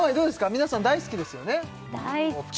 皆さん大好きですよね大好き！